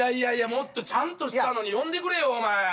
もっとちゃんとしたのに呼んでくれよお前！